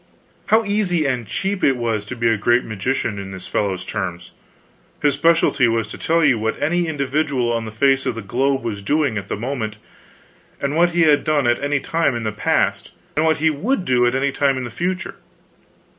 How easy and cheap it was to be a great magician on this fellow's terms. His specialty was to tell you what any individual on the face of the globe was doing at the moment; and what he had done at any time in the past, and what he would do at any time in the future.